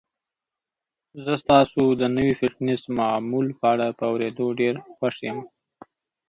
زه ستاسو د نوي فټنس معمول په اړه په اوریدو ډیر خوښ یم.